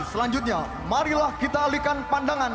selanjutnya marilah kita alihkan pandangan